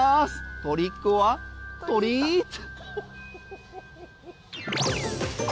トリック・オア・トリート！